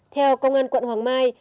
theo công an quận hoàng mai